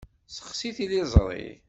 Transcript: Sexsit tiliẓṛi.